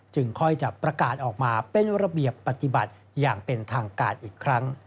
ค่อยจะประกาศออกมาเป็นระเบียบปฏิบัติอย่างเป็นทางการอีกครั้ง